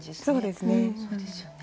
そうですね。